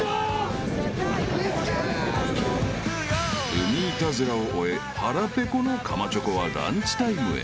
［海イタズラを終え腹ペコのかまチョコはランチタイムへ］